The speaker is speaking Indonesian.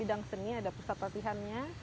di dalam bidang seni ada pusat latihannya